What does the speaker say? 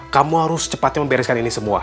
kamu harus secepatnya membereskan ini semua